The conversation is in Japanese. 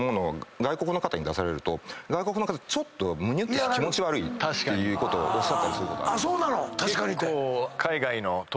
外国の方に出されるとちょっとむにゅっとして気持ち悪いっておっしゃったりすることはあります。